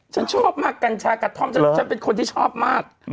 ฉันชอบมากกัญชากระท่อมฉันเป็นคนที่ชอบมาก